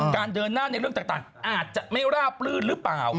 เดินหน้าในเรื่องต่างอาจจะไม่ราบลื่นหรือเปล่า